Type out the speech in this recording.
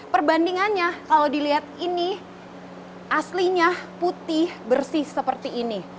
perbandingannya kalau dilihat ini aslinya putih bersih seperti ini